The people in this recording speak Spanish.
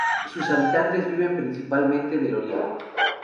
Sus habitantes viven principalmente del olivo.